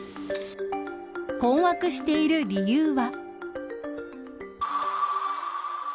困惑している理由は。